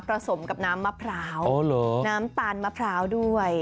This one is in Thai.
สมกับน้ำมะพร้าวน้ำตาลมะพร้าวด้วย